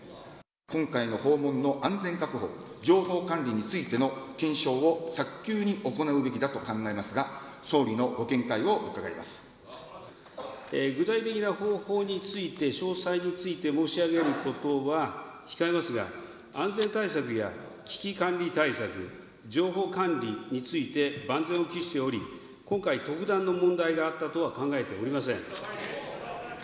今回の訪問の安全確保、情報管理についての検証を早急に行うべきだと考えますが、具体的な方法について、詳細について申し上げることは控えますが、安全対策や危機管理対策、情報管理について、万全を期しており、今回、特段の問題があったとは考えておりません。